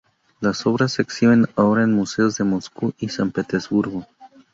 Las obras se exhiben ahora en museos de Moscú y San Petersburgo.